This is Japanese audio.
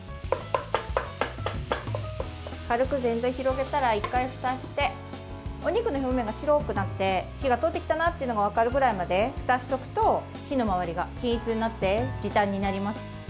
軽く全体、広げたら１回ふたをしてお肉の表面が白くなって火が通ってきたなと分かるまでふたをしておくと火の回りが均一になって時短になります。